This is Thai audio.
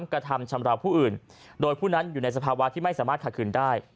กระทำชำราวผู้อื่นโดยผู้นั้นอยู่ในสภาวะที่ไม่สามารถขัดคืนได้